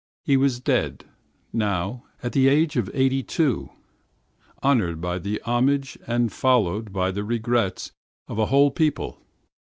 He was dead, now, at the age of eighty two, honored by the homage and followed by the regrets of a whole people.